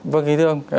vâng thưa ông